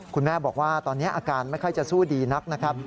คุณแม่บอกว่าตอนนี้อาการไม่ค่อยจะสู้ดีนักนะครับ